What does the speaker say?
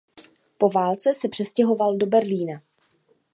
Po válce se přestěhoval do Berlína.